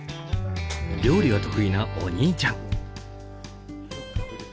料理が得意なお兄ちゃん。